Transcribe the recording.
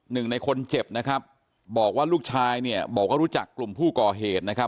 หนึ่งในคนเจ็บนะครับบอกว่าลูกชายเนี่ยบอกว่ารู้จักกลุ่มผู้ก่อเหตุนะครับ